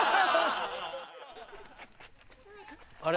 あれ？